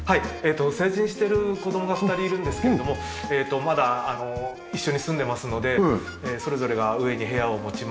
成人してる子供が２人いるんですけれどもまだ一緒に住んでますのでそれぞれが上に部屋を持ちまして。